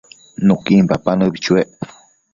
Nuquin papa nëbi chuec